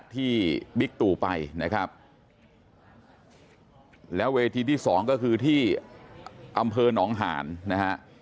บิ๊กตู่ไปนะครับแล้วเวทีที่สองก็คือที่อำเภอหนองหานนะฮะ